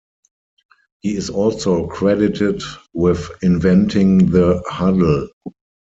He is also credited with inventing the huddle.